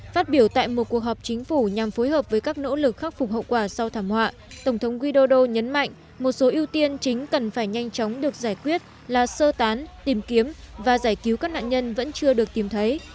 phát biểu tại một cuộc họp chính phủ nhằm phối hợp với các nỗ lực khắc phục hậu quả sau thảm họa tổng thống widodo nhấn mạnh một số ưu tiên chính cần phải nhanh chóng được giải quyết là sơ tán tìm kiếm và giải cứu các nạn nhân vẫn chưa được tìm thấy